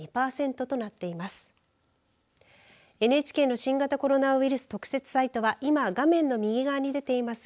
ＮＨＫの新型コロナウイルス特設サイトは今、画面の右側に出ています